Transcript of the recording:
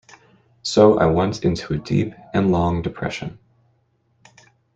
So I went into a deep and long depression.